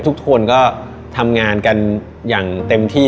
ทุกคนก็ทำงานกันอย่างเต็มที่